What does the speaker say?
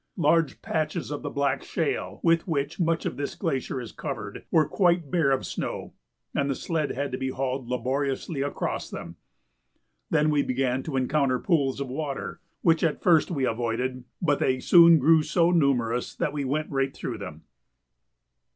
Large patches of the black shale with which much of this glacier is covered were quite bare of snow, and the sled had to be hauled laboriously across them. Then we began to encounter pools of water, which at first we avoided, but they soon grew so numerous that we went right through them.